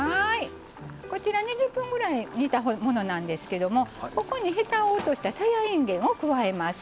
こちら２０分ぐらい煮たものなんですけどもここにへたを落としたさやいんげんを加えます。